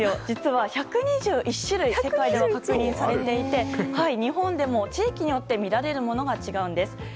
実は１２１種類世界では確認されていて日本でも地域によって見られるものが違うんです。